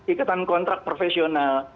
ikatan kontrak profesional